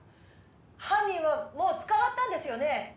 犯人はもう捕まったんですよね？